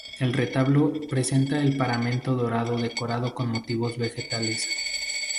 El retablo presenta el paramento dorado decorado con motivos vegetales.